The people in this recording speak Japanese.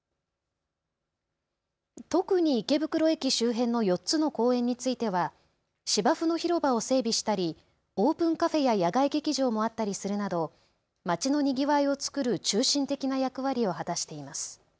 特に池袋駅周辺の４つの公園については芝生の広場を整備したりオープンカフェや野外劇場もあったりするなどまちのにぎわいを作る中心的な役割を果たしています。